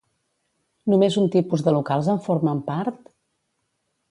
Només un tipus de locals en formen part?